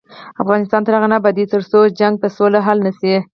افغانستان تر هغو نه ابادیږي، ترڅو شخړې په سوله حل نشي.